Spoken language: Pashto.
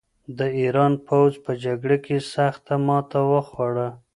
د ایران پوځ په جګړه کې سخته ماته وخوړه.